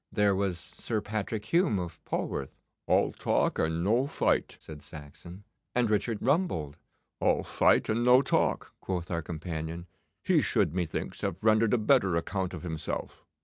There was Sir Patrick Hume of Polwarth ' 'All talk and no fight,' said Saxon. 'And Richard Rumbold.' 'All fight and no talk,' quoth our companion. 'He should, methinks, have rendered a better account of himself.